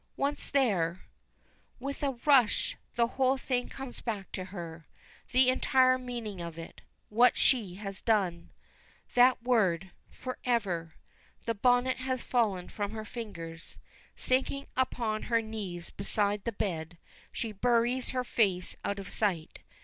Once there With a rush the whole thing comes back to her. The entire meaning of it what she has done. That word forever. The bonnet has fallen from her fingers. Sinking upon her knees beside the bed, she buries her face out of sight.